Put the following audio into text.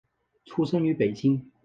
出生于北京。